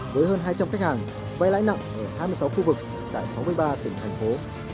với hơn hai trăm linh khách hàng vai lãi nặng ở hai mươi sáu khu vực tại sáu mươi ba tỉnh thành phố